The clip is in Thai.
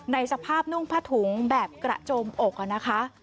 ในสภาพนุ่งผ้าถุงแบบกระโจมอกนะคะ